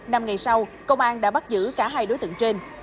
năm ngày sau công an đã bắt giữ cả hai đối tượng trên